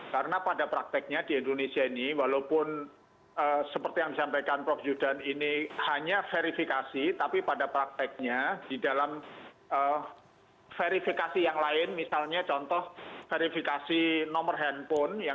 karena pada prakteknya di indonesia ini walaupun seperti yang disampaikan prof yudhan ini hanya verifikasi tapi pada prakteknya di dalam verifikasi yang lain misalnya contoh verifikasi nomor handphone